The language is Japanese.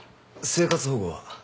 生活保護は？